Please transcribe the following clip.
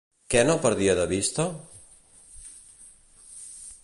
Què no perdia de vista?